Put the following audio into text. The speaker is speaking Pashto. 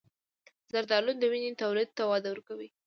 زردآلو د وینې تولید ته وده ورکوي.